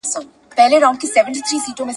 تخلیقي ادب ډېر خوندور دئ.